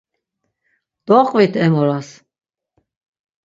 Doqvit em oras.